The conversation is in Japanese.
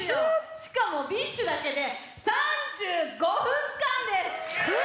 しかもＢｉＳＨだけで３５分間です！